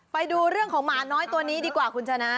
ไปดูเรื่องของหมาน้อยตัวนี้ดีกว่าคุณชนะ